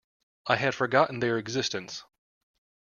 I had forgotten their existence.